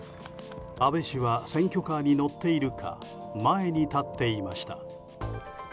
安倍氏は選挙カーに乗っているか前に立っていました。